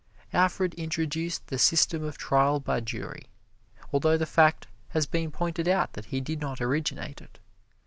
Alfred introduced the system of trial by jury, although the fact has been pointed out that he did not originate it.